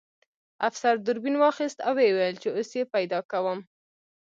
افسر دوربین واخیست او ویې ویل چې اوس یې پیدا کوم